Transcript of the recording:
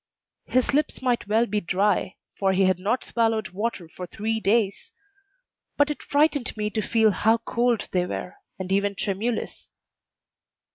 His lips might well be dry, for he had not swallowed water for three days; but it frightened me to feel how cold they were, and even tremulous.